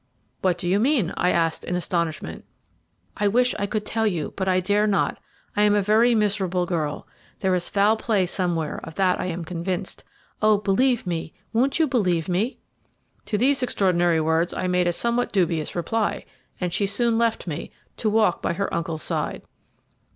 "'What do you mean?' I asked in astonishment. "'I wish I could tell you, but I dare not. I am a very miserable girl. There is foul play somewhere, of that I am convinced. Oh, believe me! won't you believe me?' "To these extraordinary words I made a somewhat dubious reply, and she soon left me, to walk by her uncle's side.